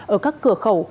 ở các cửa khẩu